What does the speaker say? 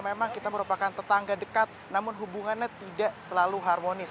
memang kita merupakan tetangga dekat namun hubungannya tidak selalu harmonis